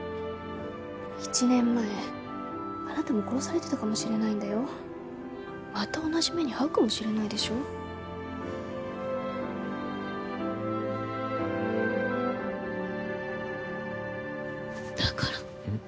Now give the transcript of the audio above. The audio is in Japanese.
１年前あなたも殺されてたかもしれないんだよまた同じ目に遭うかもしれないでしょだからうん？